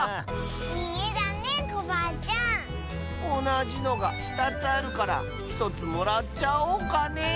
おなじのがふたつあるからひとつもらっちゃおうかね。